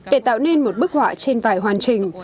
để tạo nên một bức họa trên vải hoàn chỉnh